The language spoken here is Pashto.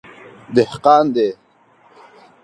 _دهقان دی.